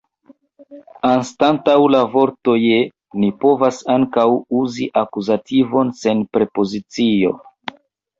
Anstataŭ la vorto « je » ni povas ankaŭ uzi akuzativon sen prepozicio.